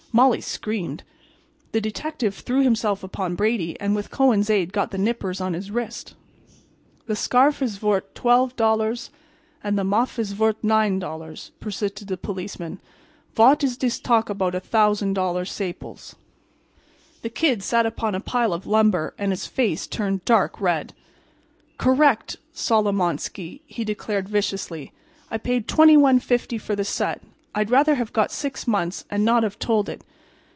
Molly screamed. The detective threw himself upon Brady and with Kohen's aid got the nippers on his wrist. "The scarf is vort $12 and the muff is vort $9," persisted the policeman. "Vot is dis talk about $1,000 saples?" The Kid sat upon a pile of lumber and his face turned dark red. "Correct, Solomonski!" he declared, viciously. "I paid $21.50 for the set. I'd rather have got six months and not have told it.